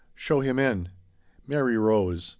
" Show him in." Mary rose.